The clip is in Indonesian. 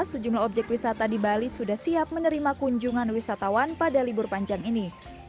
sejumlah objek wisata di bali sudah siap menerima kunjungan wisatawan pada libur panjang ini